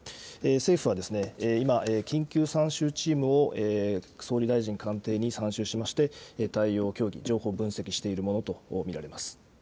政府は、今、緊急参集チームを総理大臣官邸に参集しまして情報分析をしているものと見られます。